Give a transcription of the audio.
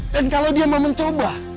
dan kalau dia mau mencoba